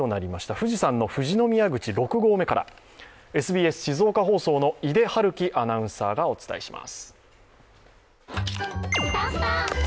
富士山の富士宮口六合目からＳＢＳ静岡放送の井手春希アナウンサーがお伝えします。